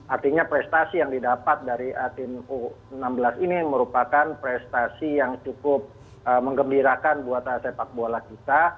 artinya prestasi yang didapat dari tim u enam belas ini merupakan prestasi yang cukup mengembirakan buat sepak bola kita